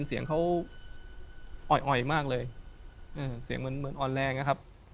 เสียงเหมือนอ่อนแรงนะครับ